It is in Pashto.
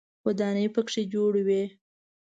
ودانۍ په کې جوړوي.